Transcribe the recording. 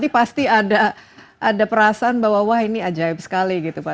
ini pasti ada perasaan bahwa wah ini ajaib sekali gitu pak